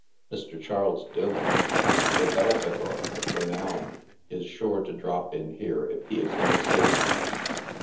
Mr. Charle3 Dillon, the Belphegor of renown, is sure to drop in here if he is in the city.